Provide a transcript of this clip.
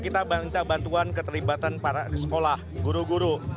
kita banca bantuan keterlibatan para sekolah guru guru